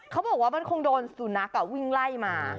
เขาบอกว่ามันคงโดนสุนัขวิ่งไล่มา